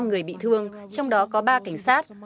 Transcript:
trong đó có ba người bị thương trong đó có ba cảnh sát